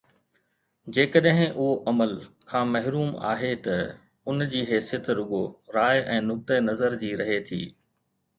جيڪڏهن اهو عمل کان محروم آهي ته ان جي حيثيت رڳو راءِ ۽ نقطه نظر جي رهي ٿي